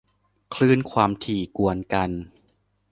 คลื่นความถี่กวนกัน